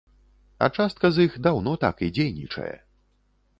А частка з іх даўно так і дзейнічае.